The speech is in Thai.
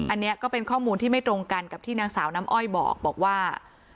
อันนี้ก็เป็นข้อมูลที่ไม่ตรงกันกับที่นางสาวน้ำอ้อยบอกว่า